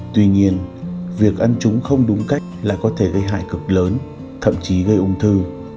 tuy nhiên việc ăn chúng không đúng cách là có thể gây hại cực lớn thậm chí gây ung thư